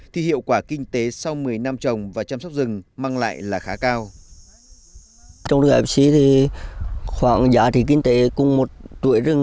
thì hiệu quả kinh tế sau một mươi năm triệu đồng